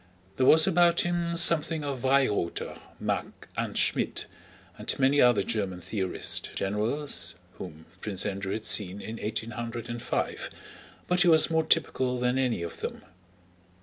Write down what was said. There was about him something of Weyrother, Mack, and Schmidt, and many other German theorist generals whom Prince Andrew had seen in 1805, but he was more typical than any of them.